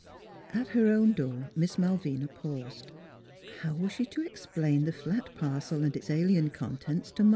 AT her own door Miss Malvina paused. How was she to explain the flat parcel and its alien contents to Ma?